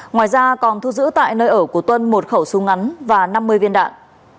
ngoài ra còn thu giữ tại nơi ở của tuân một khẩu súng ngắn và năm mươi viên đạn